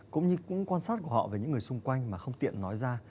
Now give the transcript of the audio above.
cũng như cũng quan sát của họ về những người xung quanh mà không tiện nói ra